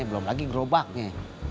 belum lagi gerobaknya